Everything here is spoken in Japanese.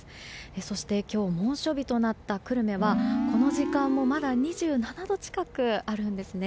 そして今日猛暑日となった久留米はこの時間もまだ２７度近くあるんですね。